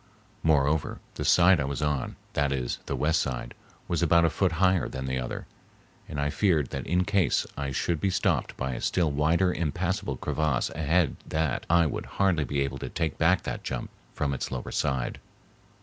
Moreover, the side I was on—that is, the west side—was about a foot higher than the other, and I feared that in case I should be stopped by a still wider impassable crevasse ahead that I would hardly be able to take back that jump from its lower side.